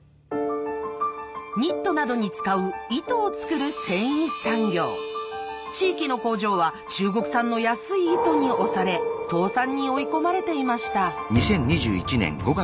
ニットなどに使う糸を作る地域の工場は中国産の安い糸に押され倒産に追い込まれていました。